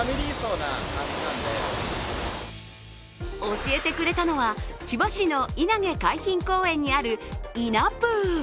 教えてくれたのは、千葉市の稲毛海浜公園にあるＩＮＡＰＯＯ。